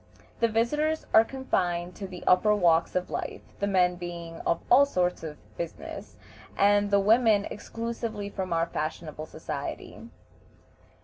The visitors are confined to the upper walks of life, the men being of all sorts of business, and the women exclusively from our fashionable society.